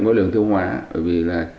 lưỡi đường tiêu hóa vì